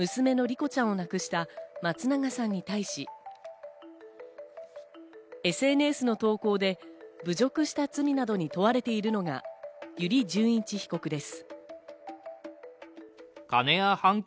この事故で妻の真菜さんと娘の莉子ちゃんを亡くした松永さんに対し、ＳＮＳの投稿で侮辱した罪などに問われているのが油利潤一被告です。